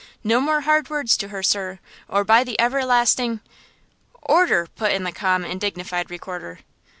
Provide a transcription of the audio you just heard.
No more hard words to her, sir–or by the everlasting–" "Order!" put in the calm and dignified Recorder.